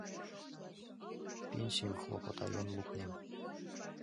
Пенсийым хлопотаен лукнем.